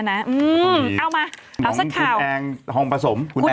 เอาเลยนี้นะเอามาเอาสักข่าวคุณแองทรงผสม